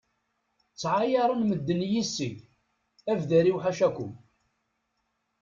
Ttɛayaren medden yis-i, abder-iw s ḥacakum.